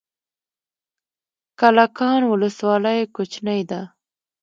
کلکان ولسوالۍ کوچنۍ ده؟